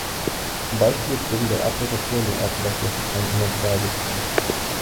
Zum Beispiel ist wegen der Erdrotation die Erdoberfläche kein Inertialsystem.